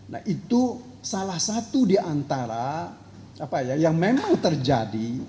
nah itu salah satu di antara yang memang terjadi